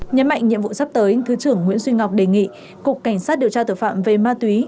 nhấn mạnh nhiệm vụ sắp tới thứ trưởng nguyễn duy ngọc đề nghị cục cảnh sát điều tra tội phạm về ma túy